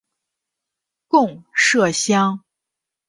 贡麝香。